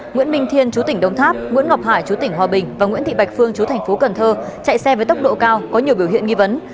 nguyễn minh thiên chú tỉnh đồng tháp nguyễn ngọc hải chú tỉnh hòa bình và nguyễn thị bạch phương chú thành phố cần thơ chạy xe với tốc độ cao có nhiều biểu hiện nghi vấn